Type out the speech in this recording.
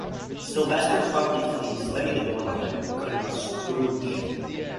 Sylvester promptly flees, slamming the door behind him and cutting off Scrooge.